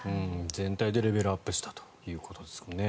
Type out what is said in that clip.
全体でレベルアップしたということですね。